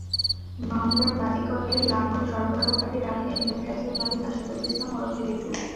মামলার বাদী কলের লাঙল সরবরাহকারী রাফি এন্টারপ্রাইজের মালিক আসাদুল ইসলাম ওরফে লিটু।